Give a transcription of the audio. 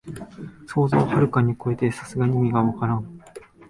想像をはるかにこえてて、さすがに意味がわからん